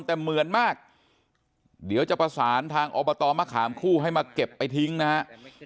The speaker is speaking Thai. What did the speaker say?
แต่เหมือนมากเดี๋ยวจะประสานทางอบตมะขามคู่ให้มาเก็บไปทิ้งนะฮะ